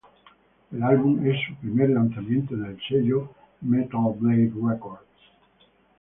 El álbum es su primer lanzamiento en el sello Metal Blade Records.